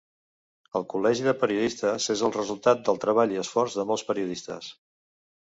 El Col·legi de Periodistes és el resultat del treball i l’esforç de molts periodistes.